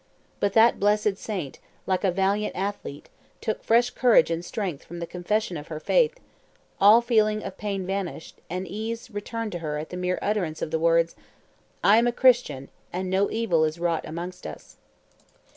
But that blessed saint, like a valiant athlete, took fresh courage and strength from the confession of her faith; all feeling of pain vanished, and ease returned to her at the mere utterance of the words, 'I am a Christian, and no evil is wrought amongst us.